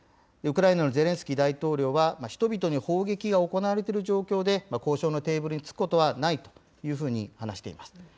ウクライナのゼレンスキー大統領は、人々に砲撃が行われている状況で交渉のテーブルにつくことはないというふうに話しています。